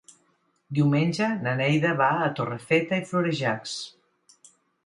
Diumenge na Neida va a Torrefeta i Florejacs.